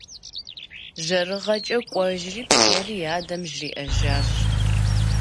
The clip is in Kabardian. ЖэрыгъэкӀэ кӀуэжри, псори и адэм жриӀэжащ.